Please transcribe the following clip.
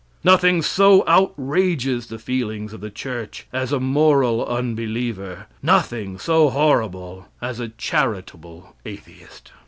Nothing so outrages the feelings of the church as a moral unbeliever, nothing so horrible as a charitable atheist.